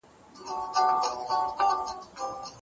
د پېښو د منطق درک کول حياتي ارزښت لري.